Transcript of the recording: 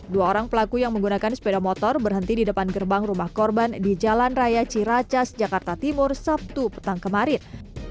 dua orang pelaku yang menggunakan sepeda motor berhenti di depan gerbang rumah korban di jalan raya ciracas jakarta timur sabtu petang kemarin